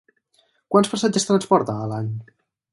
Quants passatgers transporta a l'any?